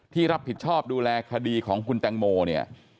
ที่รับผิดชอบดูแลคดีของคุณแตงโมเนี่ย